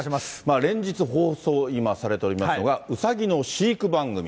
連日放送、今、されておりますのが、うさぎの飼育番組。